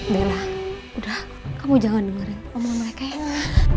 bella udah kamu jangan dengerin omong mereka ya